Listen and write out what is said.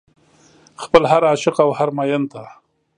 خپل هر عاشق او هر مين ته